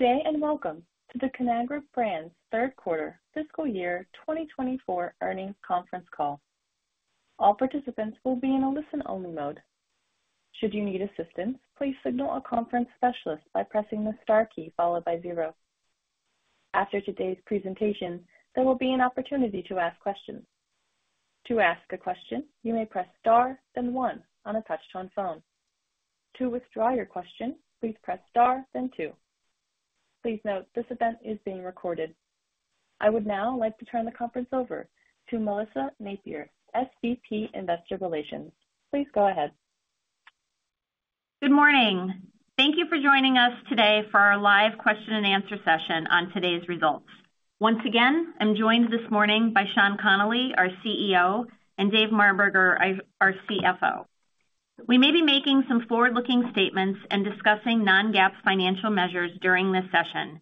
Good day and welcome to the Conagra Brands third quarter fiscal year 2024 earnings conference call. All participants will be in a listen-only mode. Should you need assistance, please signal a conference specialist by pressing the star key followed by zero. After today's presentation, there will be an opportunity to ask questions. To ask a question, you may press star then one on a touch-tone phone. To withdraw your question, please press star then two. Please note, this event is being recorded. I would now like to turn the conference over to Melissa Napier, SVP Investor Relations. Please go ahead. Good morning. Thank you for joining us today for our live question-and-answer session on today's results. Once again, I'm joined this morning by Sean Connolly, our CEO, and Dave Marberger, our CFO. We may be making some forward-looking statements and discussing non-GAAP financial measures during this session.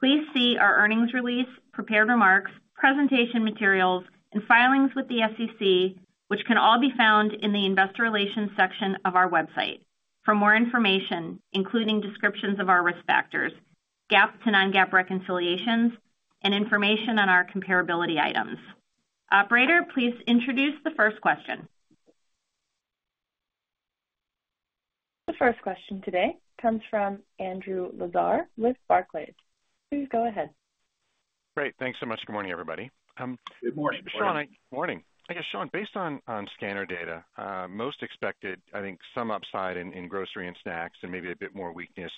Please see our earnings release, prepared remarks, presentation materials, and filings with the SEC, which can all be found in the Investor Relations section of our website for more information, including descriptions of our risk factors, GAAP-to-non-GAAP reconciliations, and information on our comparability items. Operator, please introduce the first question. The first question today comes from Andrew Lazar with Barclays. Please go ahead. Great. Thanks so much. Good morning, everybody. Good morning. Sean, I guess, Sean, based on scanner data, most expected, I think, some upside in grocery and snacks and maybe a bit more weakness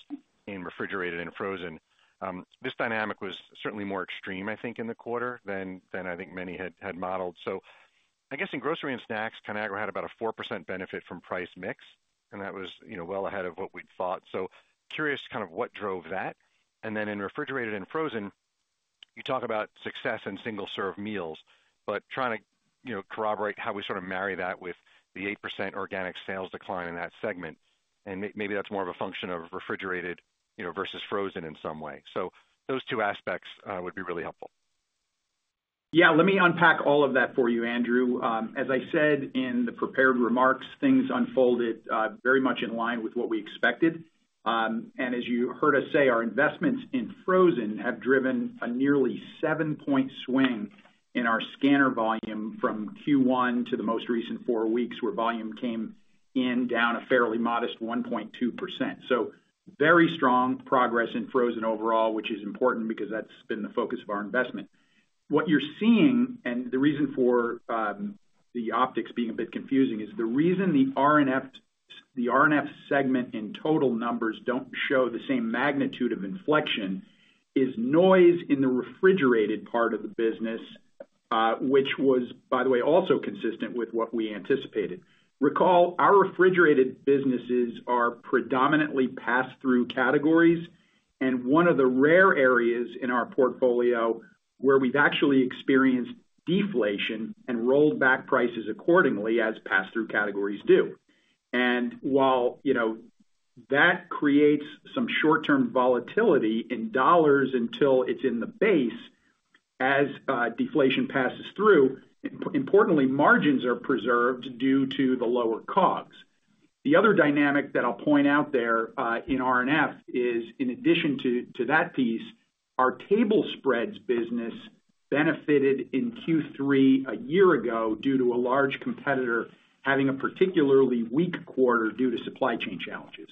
in refrigerated and frozen. This dynamic was certainly more extreme, I think, in the quarter than I think many had modeled. So I guess in grocery and snacks, Conagra had about a 4% benefit from price mix, and that was well ahead of what we'd thought. So, curious kind of what drove that. And then in refrigerated and frozen, you talk about success in single-serve meals, but trying to corroborate how we sort of marry that with the 8% organic sales decline in that segment. And maybe that's more of a function of refrigerated versus frozen in some way. So those two aspects would be really helpful. Yeah. Let me unpack all of that for you, Andrew. As I said in the prepared remarks, things unfolded very much in line with what we expected. And as you heard us say, our investments in frozen have driven a nearly 7-point swing in our scanner volume from Q1 to the most recent four weeks, where volume came in down a fairly modest 1.2%. So very strong progress in frozen overall, which is important because that's been the focus of our investment. What you're seeing, and the reason for the optics being a bit confusing, is the reason the R&F segment in total numbers don't show the same magnitude of inflection is noise in the refrigerated part of the business, which was, by the way, also consistent with what we anticipated. Recall, our refrigerated businesses are predominantly pass-through categories. One of the rare areas in our portfolio where we've actually experienced deflation and rolled back prices accordingly as pass-through categories do. While that creates some short-term volatility in dollars until it's in the base, as deflation passes through, importantly, margins are preserved due to the lower COGS. The other dynamic that I'll point out there in R&F is, in addition to that piece, our table spreads business benefited in Q3 a year ago due to a large competitor having a particularly weak quarter due to supply chain challenges.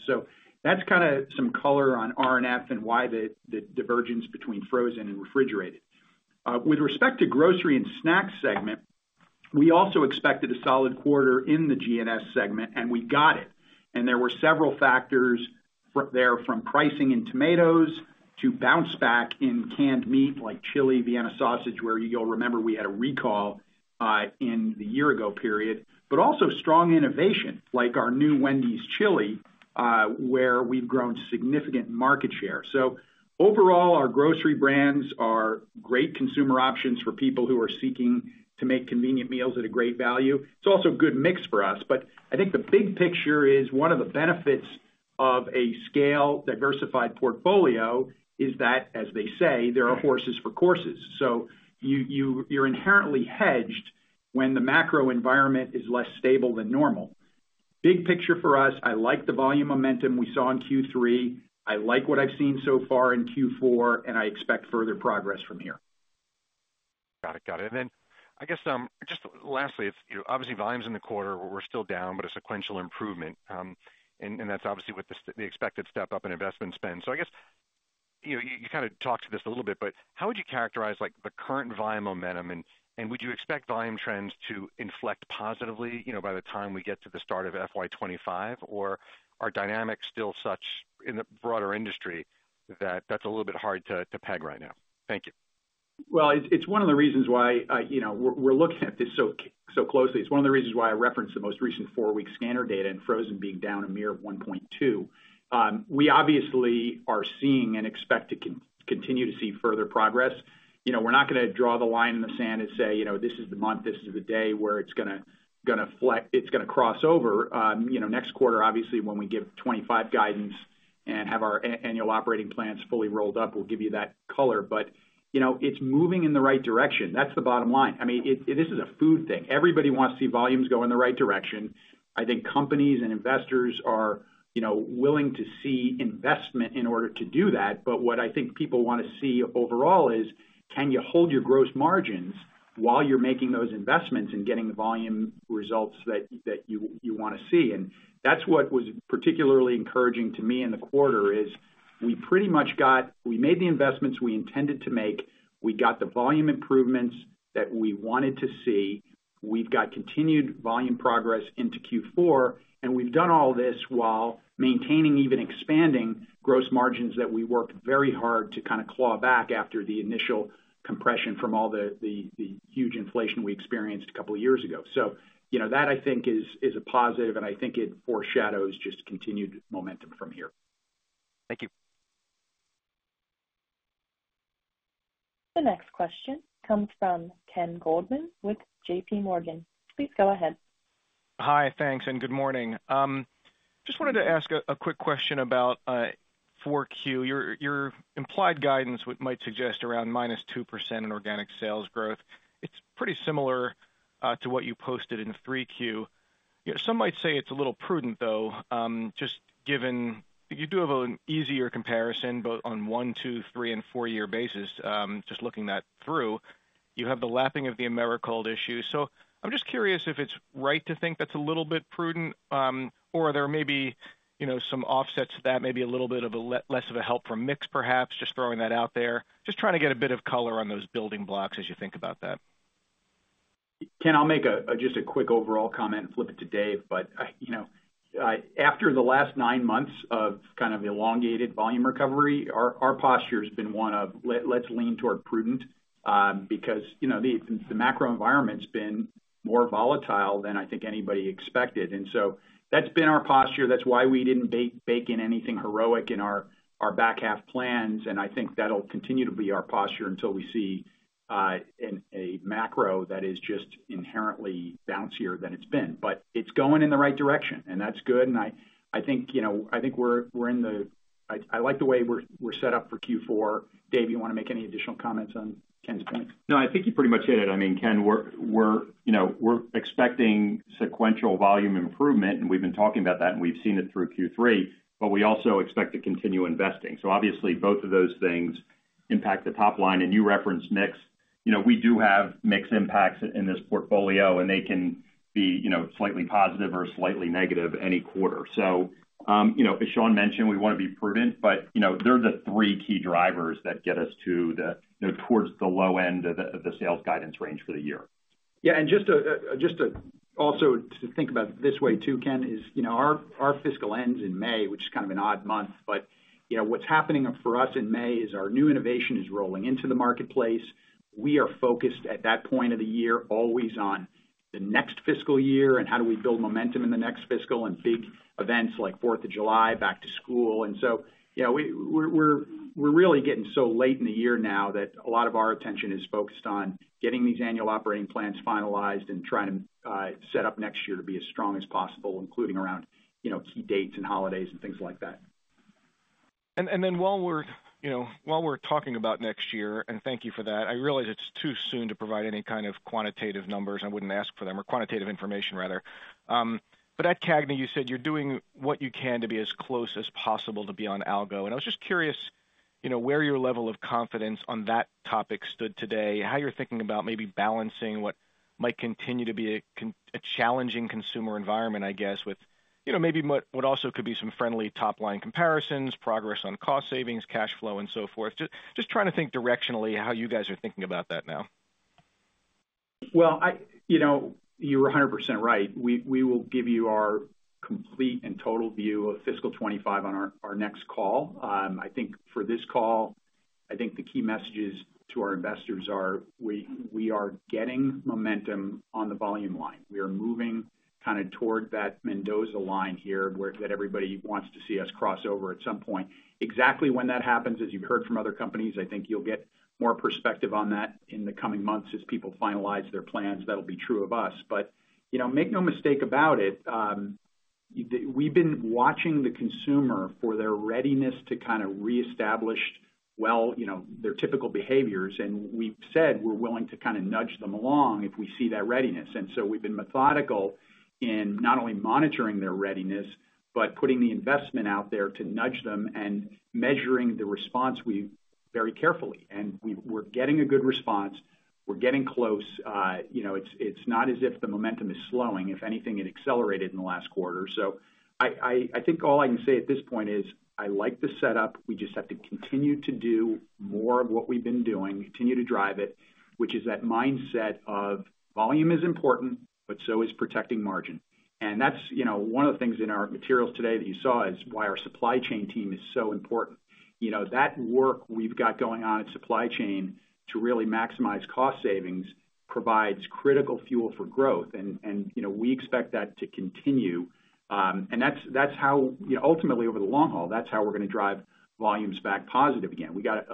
That's kind of some color on R&F and why the divergence between frozen and refrigerated. With respect to grocery and snack segment, we also expected a solid quarter in the GNS segment, and we got it. There were several factors there from pricing in tomatoes to bounce back in canned meat like chili, Vienna sausage, where you'll remember we had a recall in the year-ago period, but also strong innovation like our new Wendy's chili, where we've grown significant market share. So overall, our grocery brands are great consumer options for people who are seeking to make convenient meals at a great value. It's also a good mix for us. But I think the big picture is one of the benefits of a scale, diversified portfolio is that, as they say, there are horses for courses. So you're inherently hedged when the macro environment is less stable than normal. Big picture for us, I like the volume momentum we saw in Q3. I like what I've seen so far in Q4, and I expect further progress from here. Got it. Got it. And then I guess just lastly, obviously, volumes in the quarter, we're still down, but a sequential improvement. And that's obviously with the expected step-up in investment spend. So I guess you kind of talked to this a little bit, but how would you characterize the current volume momentum? And would you expect volume trends to inflect positively by the time we get to the start of FY 2025? Or are dynamics still such in the broader industry that that's a little bit hard to peg right now? Thank you. Well, it's one of the reasons why we're looking at this so closely. It's one of the reasons why I referenced the most recent four-week Scanner data and frozen being down a mere 1.2. We obviously are seeing and expect to continue to see further progress. We're not going to draw the line in the sand and say, "This is the month. This is the day where it's going to cross over." Next quarter, obviously, when we give 2025 guidance and have our annual operating plans fully rolled up, we'll give you that color. But it's moving in the right direction. That's the bottom line. I mean, this is a food thing. Everybody wants to see volumes go in the right direction. I think companies and investors are willing to see investment in order to do that. But what I think people want to see overall is, can you hold your gross margins while you're making those investments and getting the volume results that you want to see? That's what was particularly encouraging to me in the quarter: we made the investments we intended to make. We got the volume improvements that we wanted to see. We've got continued volume progress into Q4. And we've done all this while maintaining, even expanding, gross margins that we worked very hard to kind of claw back after the initial compression from all the huge inflation we experienced a couple of years ago. So that, I think, is a positive. And I think it foreshadows just continued momentum from here. Thank you. The next question comes from Ken Goldman with JPMorgan. Please go ahead. Hi. Thanks. Good morning. Just wanted to ask a quick question about 4Q. Your implied guidance might suggest around -2% in organic sales growth. It's pretty similar to what you posted in 3Q. Some might say it's a little prudent, though, just given you do have an easier comparison on one-, two-, three-, and four-year basis, just looking that through. You have the lapping of the Americold issue. So I'm just curious if it's right to think that's a little bit prudent, or are there maybe some offsets to that, maybe a little bit of less of a helpful mix, perhaps, just throwing that out there, just trying to get a bit of color on those building blocks as you think about that. Ken, I'll make just a quick overall comment and flip it to Dave. But after the last nine months of kind of elongated volume recovery, our posture has been one of, "Let's lean toward prudent," because the macro environment's been more volatile than I think anybody expected. And so that's been our posture. That's why we didn't bake in anything heroic in our back half plans. And I think that'll continue to be our posture until we see a macro that is just inherently bouncier than it's been. But it's going in the right direction, and that's good. And I think we're in the I like the way we're set up for Q4. Dave, you want to make any additional comments on Ken's point? No, I think you pretty much hit it. I mean, Ken, we're expecting sequential volume improvement. And we've been talking about that, and we've seen it through Q3. But we also expect to continue investing. So obviously, both of those things impact the top line. And you referenced mix. We do have mixed impacts in this portfolio, and they can be slightly positive or slightly negative any quarter. So as Sean mentioned, we want to be prudent. But they're the three key drivers that get us towards the low end of the sales guidance range for the year. Yeah. And just also to think about this way too, Ken, is our fiscal ends in May, which is kind of an odd month. But what's happening for us in May is our new innovation is rolling into the marketplace. We are focused at that point of the year always on the next fiscal year and how do we build momentum in the next fiscal and big events like 4th of July, back to school. And so we're really getting so late in the year now that a lot of our attention is focused on getting these annual operating plans finalized and trying to set up next year to be as strong as possible, including around key dates and holidays and things like that. And then while we're talking about next year and thank you for that, I realize it's too soon to provide any kind of quantitative numbers. I wouldn't ask for them or quantitative information, rather. But at CAGNA, you said you're doing what you can to be as close as possible to be on algo. And I was just curious where your level of confidence on that topic stood today, how you're thinking about maybe balancing what might continue to be a challenging consumer environment, I guess, with maybe what also could be some friendly top-line comparisons, progress on cost savings, cash flow, and so forth, just trying to think directionally how you guys are thinking about that now. Well, you're 100% right. We will give you our complete and total view of fiscal 2025 on our next call. I think for this call, I think the key messages to our investors are, we are getting momentum on the volume line. We are moving kind of toward that Mendoza line here that everybody wants to see us cross over at some point. Exactly when that happens, as you've heard from other companies, I think you'll get more perspective on that in the coming months as people finalize their plans. That'll be true of us. But make no mistake about it, we've been watching the consumer for their readiness to kind of reestablish, well, their typical behaviors. We've said we're willing to kind of nudge them along if we see that readiness. We've been methodical in not only monitoring their readiness but putting the investment out there to nudge them and measuring the response very carefully. We're getting a good response. We're getting close. It's not as if the momentum is slowing. If anything, it accelerated in the last quarter. I think all I can say at this point is, I like the setup. We just have to continue to do more of what we've been doing, continue to drive it, which is that mindset of volume is important, but so is protecting margin. That's one of the things in our materials today that you saw is why our supply chain team is so important. That work we've got going on at supply chain to really maximize cost savings provides critical fuel for growth. We expect that to continue. That's how ultimately, over the long haul, that's how we're going to drive volumes back positive again. We got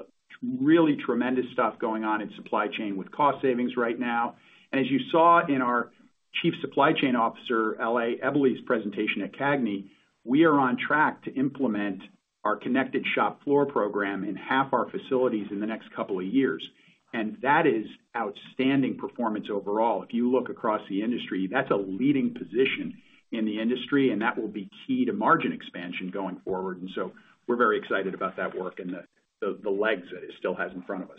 really tremendous stuff going on in supply chain with cost savings right now. As you saw in our Chief Supply Chain Officer, Ale Eboli's presentation at CAGNA, we are on track to implement our connected shop floor program in half our facilities in the next couple of years. That is outstanding performance overall. If you look across the industry, that's a leading position in the industry. That will be key to margin expansion going forward. So we're very excited about that work and the legs that it still has in front of us.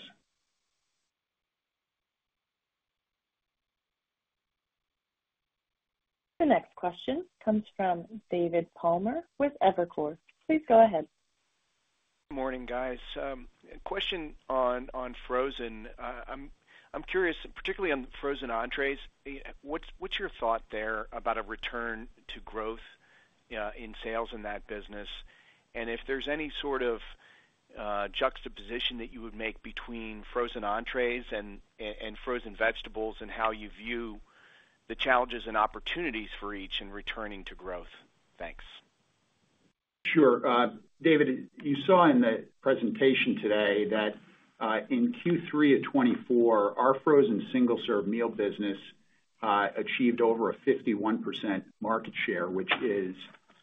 The next question comes from David Palmer with Evercore. Please go ahead. Morning, guys. Question on frozen. I'm curious, particularly on frozen entrées, what's your thought there about a return to growth in sales in that business and if there's any sort of juxtaposition that you would make between frozen entrées and frozen vegetables and how you view the challenges and opportunities for each in returning to growth? Thanks. Sure. David, you saw in the presentation today that in Q3 of 2024, our frozen single-serve meal business achieved over a 51% market share, which is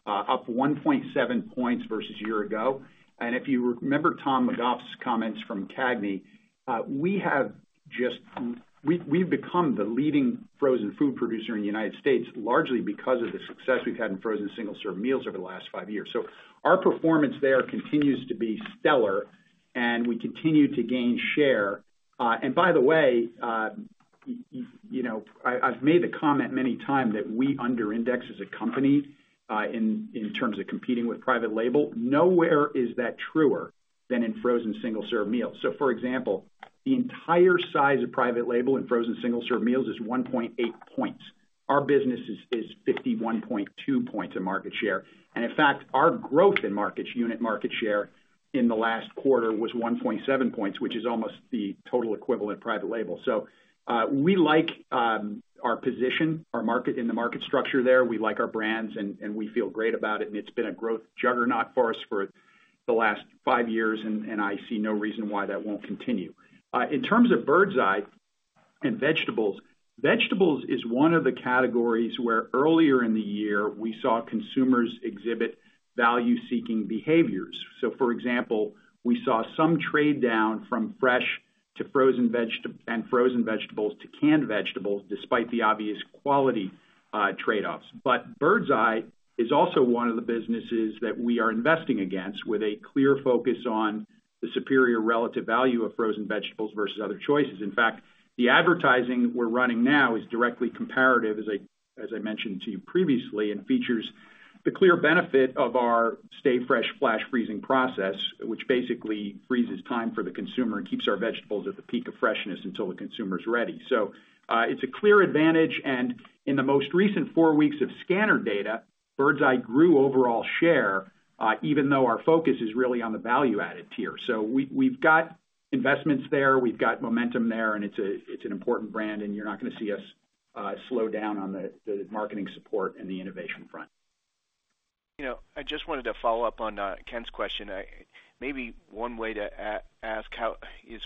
up 1.7 points versus a year ago. And if you remember Tom McGough's comments from CAGNA, we've become the leading frozen food producer in the United States largely because of the success we've had in frozen single-serve meals over the last five years. So our performance there continues to be stellar, and we continue to gain share. And by the way, I've made the comment many times that we underindex as a company in terms of competing with private label. Nowhere is that truer than in frozen single-serve meals. So for example, the entire size of private label in frozen single-serve meals is 1.8 points. Our business is 51.2 points in market share. In fact, our growth in unit market share in the last quarter was 1.7 points, which is almost the total equivalent private label. So we like our position, our market in the market structure there. We like our brands, and we feel great about it. And it's been a growth juggernaut for us for the last five years. And I see no reason why that won't continue. In terms of Birds Eye and vegetables, vegetables is one of the categories where earlier in the year, we saw consumers exhibit value-seeking behaviors. So for example, we saw some trade down from fresh and frozen vegetables to canned vegetables despite the obvious quality trade-offs. But Birds Eye is also one of the businesses that we are investing against with a clear focus on the superior relative value of frozen vegetables versus other choices. In fact, the advertising we're running now is directly comparative, as I mentioned to you previously, and features the clear benefit of our stay-fresh flash freezing process, which basically freezes time for the consumer and keeps our vegetables at the peak of freshness until the consumer's ready. So it's a clear advantage. And in the most recent four weeks of Scanner data, Birds Eye grew overall share even though our focus is really on the value-added tier. So we've got investments there. We've got momentum there. And it's an important brand. And you're not going to see us slow down on the marketing support and the innovation front. I just wanted to follow up on Ken's question. Maybe one way to ask is,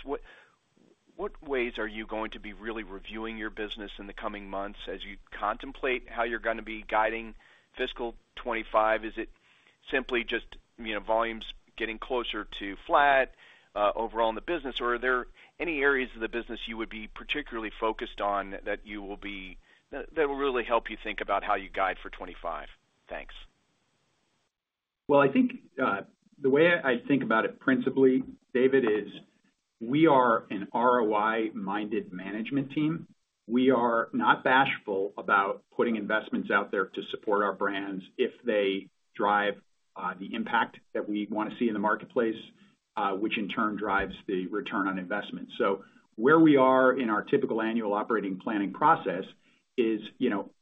what ways are you going to be really reviewing your business in the coming months as you contemplate how you're going to be guiding fiscal 2025? Is it simply just volumes getting closer to flat overall in the business? Or are there any areas of the business you would be particularly focused on that will really help you think about how you guide for 2025? Thanks. Well, I think the way I think about it principally, David, is we are an ROI-minded management team. We are not bashful about putting investments out there to support our brands if they drive the impact that we want to see in the marketplace, which in turn drives the return on investment. So where we are in our typical annual operating planning process is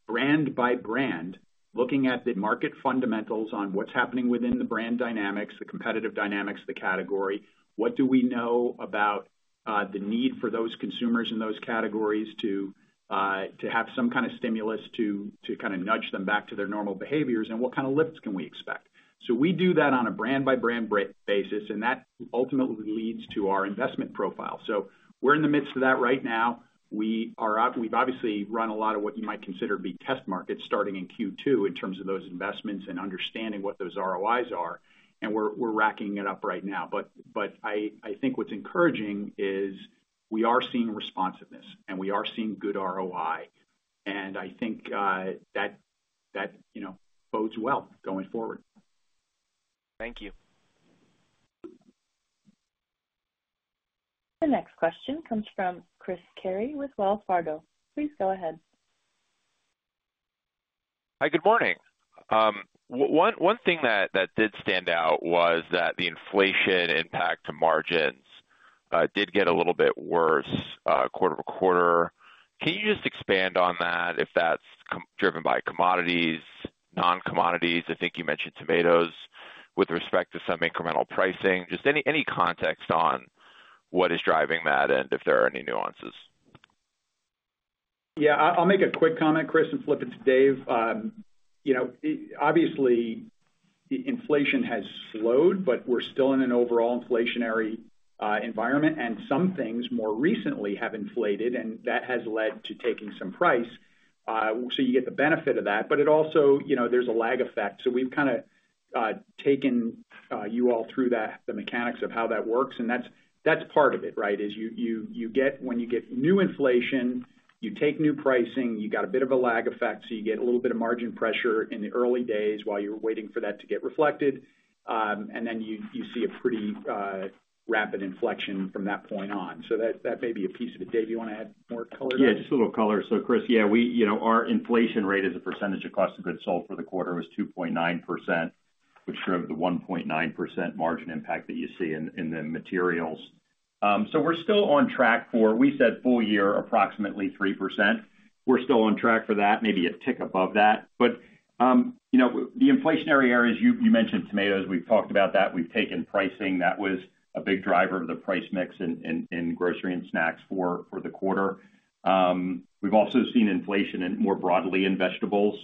brand by brand, looking at the market fundamentals on what's happening within the brand dynamics, the competitive dynamics of the category, what do we know about the need for those consumers in those categories to have some kind of stimulus to kind of nudge them back to their normal behaviors, and what kind of lifts can we expect. So we do that on a brand by brand basis. And that ultimately leads to our investment profile. So we're in the midst of that right now. We've obviously run a lot of what you might consider to be test markets starting in Q2 in terms of those investments and understanding what those ROIs are. And we're racking it up right now. But I think what's encouraging is we are seeing responsiveness, and we are seeing good ROI. And I think that bodes well going forward. Thank you. The next question comes from Chris Carey with Wells Fargo. Please go ahead. Hi. Good morning. One thing that did stand out was that the inflation impact to margins did get a little bit worse quarter to quarter. Can you just expand on that, if that's driven by commodities, non-commodities? I think you mentioned tomatoes with respect to some incremental pricing. Just any context on what is driving that and if there are any nuances? Yeah. I'll make a quick comment, Chris, and flip it to Dave. Obviously, inflation has slowed, but we're still in an overall inflationary environment. And some things more recently have inflated. And that has led to taking some price. So you get the benefit of that. But there's a lag effect. So we've kind of taken you all through the mechanics of how that works. And that's part of it, right, is when you get new inflation, you take new pricing, you got a bit of a lag effect. So you get a little bit of margin pressure in the early days while you're waiting for that to get reflected. And then you see a pretty rapid inflection from that point on. So that may be a piece of it. Dave, you want to add more color to that? Yeah. Just a little color. So Chris, yeah, our inflation rate as a percentage of cost of goods sold for the quarter was 2.9%, which drove the 1.9% margin impact that you see in the materials. So we're still on track for we said full year, approximately 3%. We're still on track for that, maybe a tick above that. But the inflationary areas, you mentioned tomatoes. We've talked about that. We've taken pricing. That was a big driver of the price mix in grocery and snacks for the quarter. We've also seen inflation more broadly in vegetables,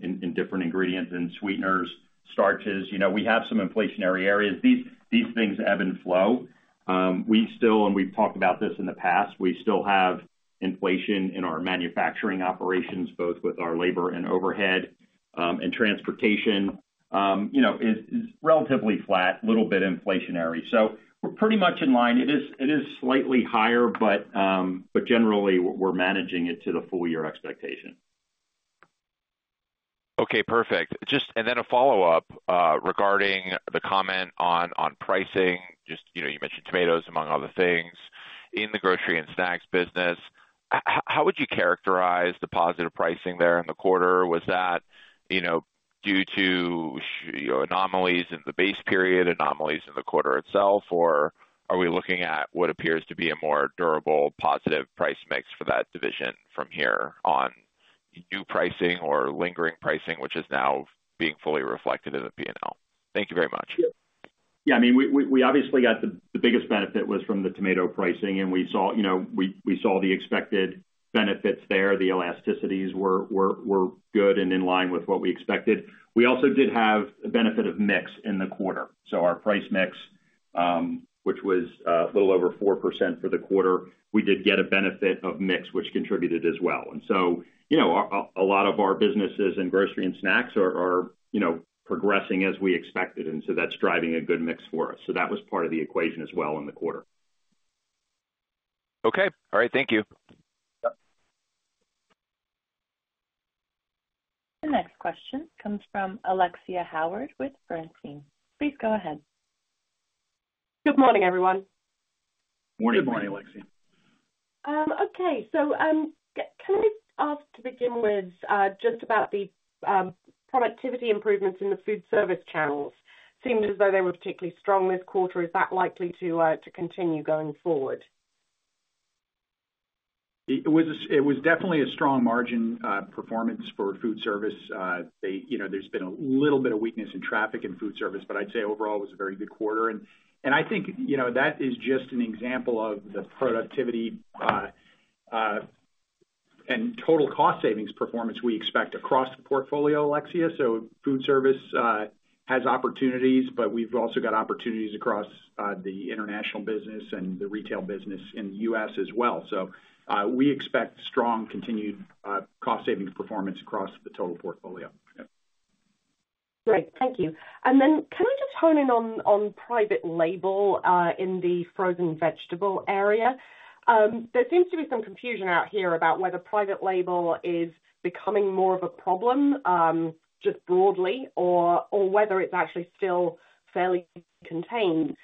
in different ingredients, in sweeteners, starches. We have some inflationary areas. These things ebb and flow. And we've talked about this in the past. We still have inflation in our manufacturing operations, both with our labor and overhead. And transportation is relatively flat, a little bit inflationary. So we're pretty much in line. It is slightly higher, but generally, we're managing it to the full-year expectation. Okay. Perfect. And then a follow-up regarding the comment on pricing. You mentioned tomatoes, among other things, in the grocery and snacks business. How would you characterize the positive pricing there in the quarter? Was that due to anomalies in the base period, anomalies in the quarter itself, or are we looking at what appears to be a more durable positive price mix for that division from here on new pricing or lingering pricing, which is now being fully reflected in the P&L? Thank you very much. Yeah. I mean, we obviously got the biggest benefit was from the tomato pricing. And we saw the expected benefits there. The elasticities were good and in line with what we expected. We also did have a benefit of mix in the quarter. So our price mix, which was a little over 4% for the quarter, we did get a benefit of mix, which contributed as well. And so a lot of our businesses in grocery and snacks are progressing as we expected. And so that's driving a good mix for us. So that was part of the equation as well in the quarter. Okay. All right. Thank you. The next question comes from Alexia Howard with Bernstein. Please go ahead. Good morning, everyone. Good morning, Alexia. Okay. So can I ask to begin with just about the productivity improvements in the food service channels? Seemed as though they were particularly strong this quarter. Is that likely to continue going forward? It was definitely a strong margin performance for food service. There's been a little bit of weakness in traffic in food service. But I'd say overall, it was a very good quarter. And I think that is just an example of the productivity and total cost savings performance we expect across the portfolio, Alexia. So food service has opportunities, but we've also got opportunities across the international business and the retail business in the US as well. So we expect strong continued cost savings performance across the total portfolio. Great. Thank you. And then can I just hone in on private label in the frozen vegetable area? There seems to be some confusion out here about whether private label is becoming more of a problem just broadly or whether it's actually still fairly contained.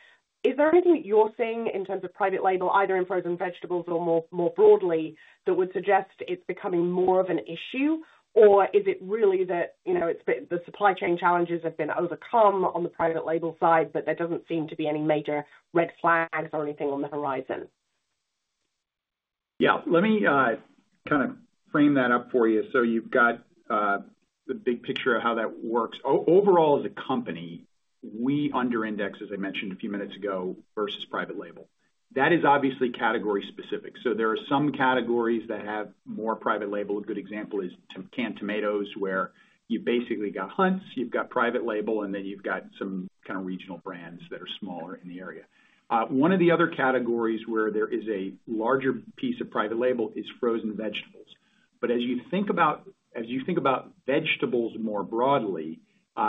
Is there anything that you're seeing in terms of private label, either in frozen vegetables or more broadly, that would suggest it's becoming more of an issue? Or is it really that the supply chain challenges have been overcome on the private label side, but there doesn't seem to be any major red flags or anything on the horizon? Yeah. Let me kind of frame that up for you. So you've got the big picture of how that works. Overall, as a company, we underindex, as I mentioned a few minutes ago, versus private label. That is obviously category-specific. So there are some categories that have more private label. A good example is canned tomatoes, where you've basically got Hunt's, you've got private label, and then you've got some kind of regional brands that are smaller in the area. One of the other categories where there is a larger piece of private label is frozen vegetables. But as you think about vegetables more broadly,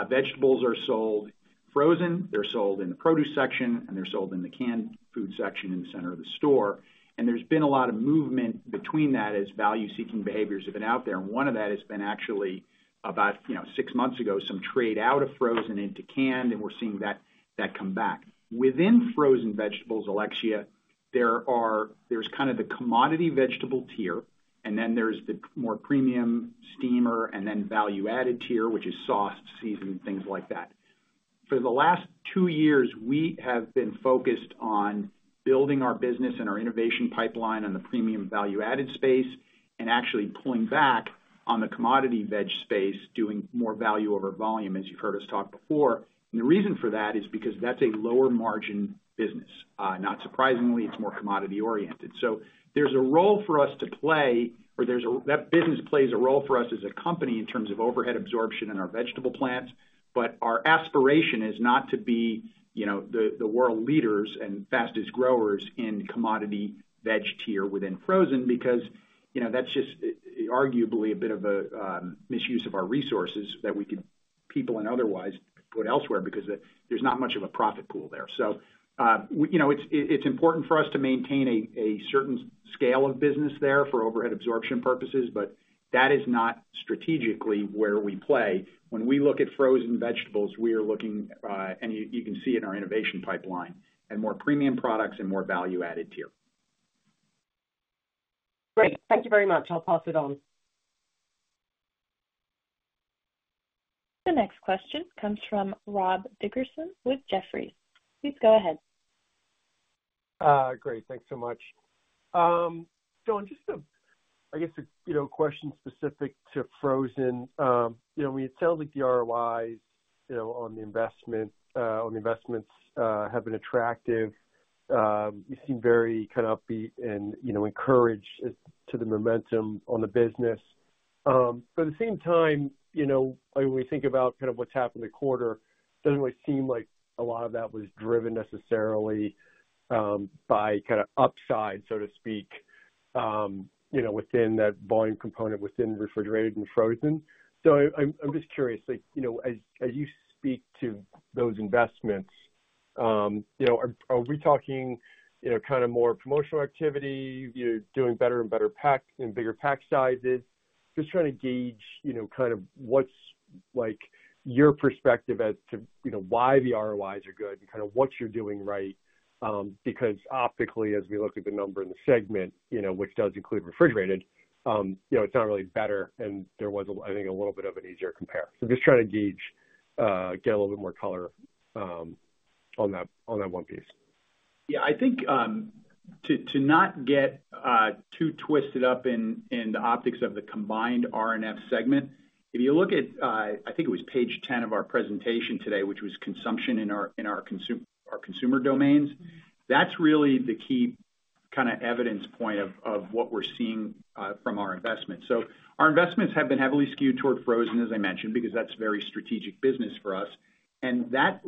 vegetables are sold frozen, they're sold in the produce section, and they're sold in the canned food section in the center of the store. And there's been a lot of movement between that as value-seeking behaviors have been out there. One of that has been actually about six months ago, some trade out of frozen into canned. We're seeing that come back. Within frozen vegetables, Alexia, there's kind of the commodity vegetable tier. Then there's the more premium steamer and then value-added tier, which is sauce, seasoning, things like that. For the last two years, we have been focused on building our business and our innovation pipeline on the premium value-added space and actually pulling back on the commodity veg space, doing more value over volume, as you've heard us talk before. The reason for that is because that's a lower-margin business. Not surprisingly, it's more commodity-oriented. There's a role for us to play, or that business plays a role for us as a company in terms of overhead absorption in our vegetable plants. But our aspiration is not to be the world leaders and fastest growers in commodity veg tier within frozen because that's just arguably a bit of a misuse of our resources that we could, people and otherwise, put elsewhere because there's not much of a profit pool there. So it's important for us to maintain a certain scale of business there for overhead absorption purposes. But that is not strategically where we play. When we look at frozen vegetables, we are looking, and you can see it in our innovation pipeline, at more premium products and more value-added tier. Great. Thank you very much. I'll pass it on. The next question comes from Rob Dickerson with Jefferies. Please go ahead. Great. Thanks so much. Sean, just, I guess, a question specific to frozen. I mean, it sounds like the ROIs on the investments have been attractive. You seem very kind of upbeat and encouraged to the momentum on the business. But at the same time, when we think about kind of what's happened this quarter, it doesn't really seem like a lot of that was driven necessarily by kind of upside, so to speak, within that volume component within refrigerated and frozen. So I'm just curious, as you speak to those investments, are we talking kind of more promotional activity, doing better and bigger pack sizes? Just trying to gauge kind of what's your perspective as to why the ROIs are good and kind of what you're doing right because optically, as we look at the number in the segment, which does include refrigerated, it's not really better. And there was, I think, a little bit of an easier compare. So just trying to gauge, get a little bit more color on that one piece. Yeah. I think to not get too twisted up in the optics of the combined R&F segment, if you look at, I think it was page 10 of our presentation today, which was consumption in our consumer domains, that's really the key kind of evidence point of what we're seeing from our investments. So our investments have been heavily skewed toward frozen, as I mentioned, because that's very strategic business for us. And that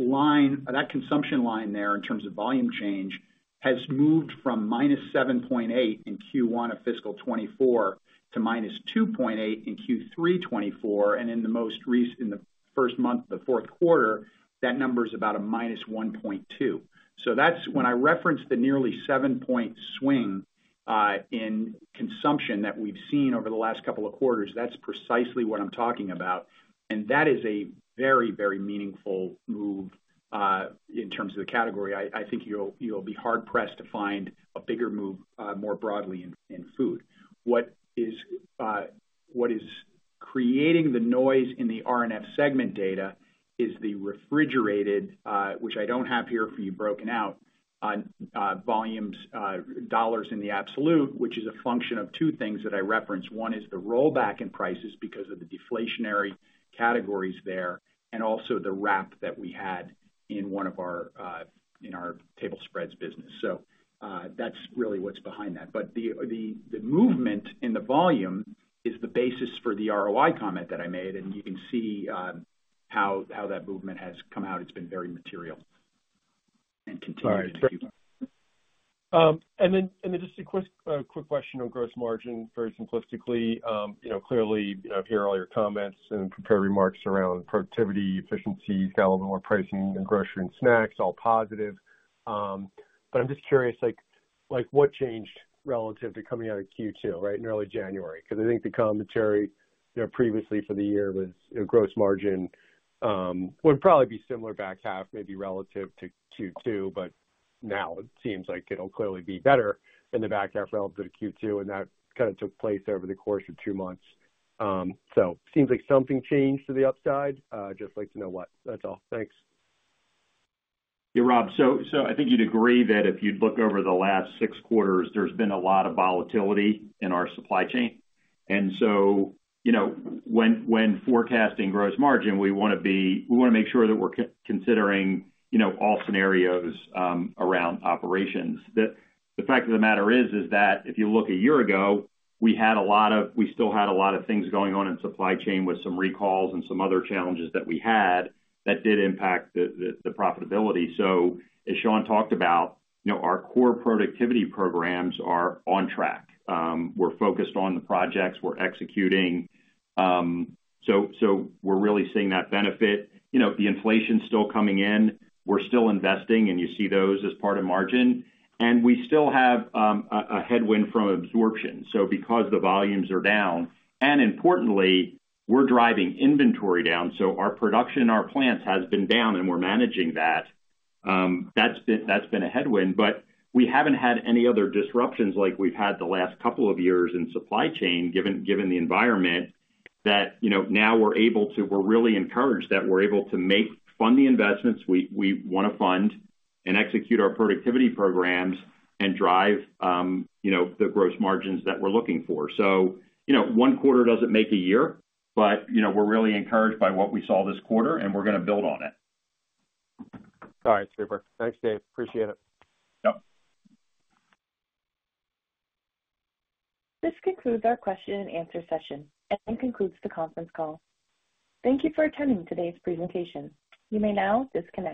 consumption line there in terms of volume change has moved from -7.8 in Q1 of fiscal 2024 to -2.8 in Q3 2024. And in the first month of the fourth quarter, that number is about a -1.2. So when I reference the nearly 7-point swing in consumption that we've seen over the last couple of quarters, that's precisely what I'm talking about. And that is a very, very meaningful move in terms of the category. I think you'll be hard-pressed to find a bigger move more broadly in food. What is creating the noise in the R&F segment data is the refrigerated, which I don't have here for you broken out, dollars in the absolute, which is a function of two things that I referenced. One is the rollback in prices because of the deflationary categories there and also the wrap that we had in one of our table spreads business. So that's really what's behind that. But the movement in the volume is the basis for the ROI comment that I made. And you can see how that movement has come out. It's been very material and continued in Q2. Then just a quick question on gross margin, very simplistically. Clearly, I've heard all your comments and prepared remarks around productivity, efficiencies, got a little bit more pricing in grocery and snacks, all positive. But I'm just curious, what changed relative to coming out of Q2, right, in early January? Because I think the commentary previously for the year was gross margin would probably be similar back half, maybe relative to Q2. But now it seems like it'll clearly be better in the back half relative to Q2. And that kind of took place over the course of two months. So it seems like something changed to the upside. Just like to know what. That's all. Thanks. Yeah, Rob. So I think you'd agree that if you'd look over the last six quarters, there's been a lot of volatility in our supply chain. And so when forecasting gross margin, we want to be we want to make sure that we're considering all scenarios around operations. The fact of the matter is that if you look a year ago, we had a lot of we still had a lot of things going on in supply chain with some recalls and some other challenges that we had that did impact the profitability. So as Sean talked about, our core productivity programs are on track. We're focused on the projects. We're executing. So we're really seeing that benefit. The inflation's still coming in. We're still investing. And you see those as part of margin. And we still have a headwind from absorption. So because the volumes are down, and importantly, we're driving inventory down. So our production in our plants has been down. And we're managing that. That's been a headwind. But we haven't had any other disruptions like we've had the last couple of years in supply chain, given the environment, we're really encouraged that we're able to fund the investments. We want to fund and execute our productivity programs and drive the gross margins that we're looking for. So one quarter doesn't make a year, but we're really encouraged by what we saw this quarter. And we're going to build on it. All right, super. Thanks, Dave. Appreciate it. Yep. This concludes our question and answer session and concludes the conference call. Thank you for attending today's presentation. You may now disconnect.